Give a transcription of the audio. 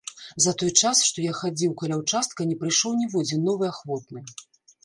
За той час, што я хадзіў, каля ўчастка, не прыйшоў ніводзін новы ахвотны.